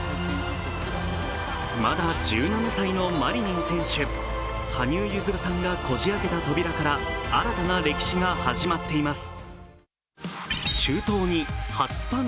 まだ１７歳のマリニン選手、羽生結弦さんがこじ開けた扉から新たな歴史が始まっています。